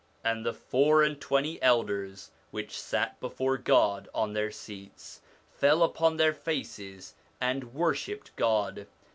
'And the four and twenty elders which sat before God on their seats, fell upon their faces and worshipped God.